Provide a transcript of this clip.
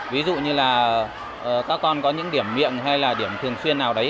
ví dụ như là các con có những điểm miệng hay là điểm thường xuyên nào đấy